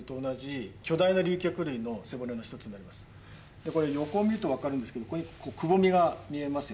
で横見ると分かるんですけどここにくぼみが見えますよね。